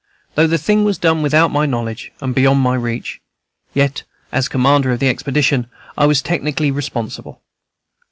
Though the thing was done without my knowledge, and beyond my reach, yet, as commander of the expedition, I was technically responsible.